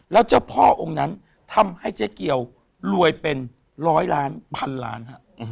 แล้วเจ้าพ่อองค์นั้นทำให้เจ๊เกียวรวยเป็นร้อยล้านพันล้านฮะ